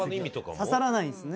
刺さらないんですね。